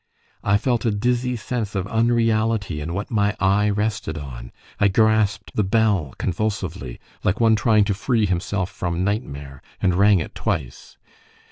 I felt a dizzy sense of unreality in what my eye rested on; I grasped the bell convulsively, like one trying to free himself from nightmare, and rang it twice.